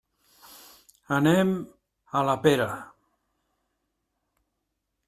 Anem a la Pera.